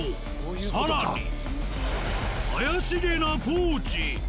更に怪しげなポーチ。